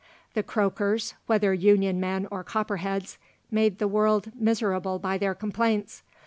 The Croakers, whether Union men or Copperheads, made the world miserable by their complaints.